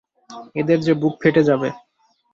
এদের যে বুক ফেটে যাবে।